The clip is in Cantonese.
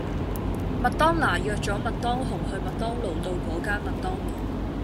麥當娜約左麥當雄去麥當勞道果間麥當勞